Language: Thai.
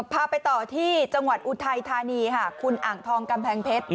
พาไปต่อที่จังหวัดอุทัยธานีค่ะคุณอ่างทองกำแพงเพชร